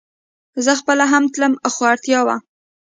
زه خپله هم تلم خو اړتيا وه